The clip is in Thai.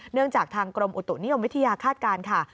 จากทางกรมอุตุนิยมวิทยาคาดการณ์ค่ะ